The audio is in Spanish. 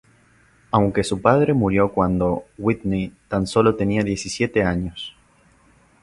Aunque su padre murió cuando Whitney tan solo tenía diecisiete años.